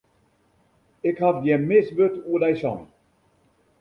Ik haw gjin mis wurd oer dy sein.